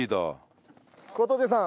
小峠さん